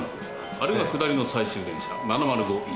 あれが下りの最終電車７０５Ｅです。